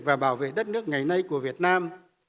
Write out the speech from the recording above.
và bảo vệ đất nước ngày nay của việt nam